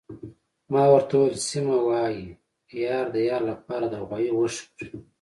ما ورته وویل: سیمه، وايي یار د یار لپاره د غوايي غوښې خوري.